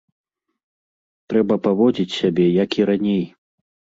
Трэба паводзіць сябе, як і раней.